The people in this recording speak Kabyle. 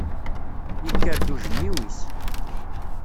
Yekker-d ujenniw-is.